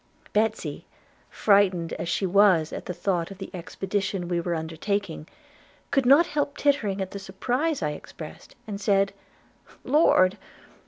Betsy, frightened as she was at the thought of the expedition we were undertaking, could not help tittering at the surprise I expressed, and said, 'Lord!